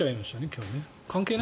今日ね。